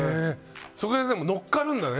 そこででものっかるんだね。